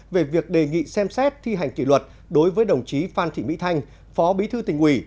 về việc đề nghị xem xét thi hành kỷ luật đối với đồng chí phan thị mỹ thanh phó bí thư tỉnh ủy